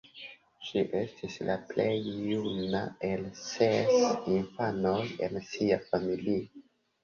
Ŝi estis la plej juna el ses infanoj en sia familio.